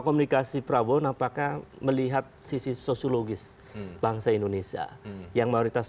komunikasi prabowo nampaknya melihat sisi sosiologis bangsa indonesia yang mayoritas